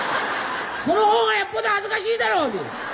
そのほうがよっぽど恥ずかしいだろうに！